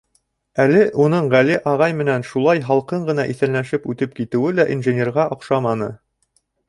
Әле уның Ғәли ағай менән шулай һалҡын ғына иҫәнләшеп үтеп китеүе лә инженерға оҡшаманы.